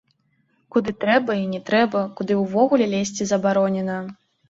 Куды трэба і не трэба, куды ўвогуле лезці забаронена.